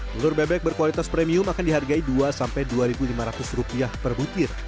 telur bebek berkualitas premium akan dihargai dua sampai dua lima ratus rupiah per butir